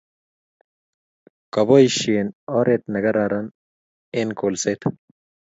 Kopaishe oret ne kararan eng kolset